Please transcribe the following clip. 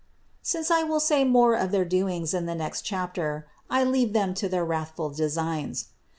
Since I will say more of their doings in the next chapter, I leave them to their wrathful designs.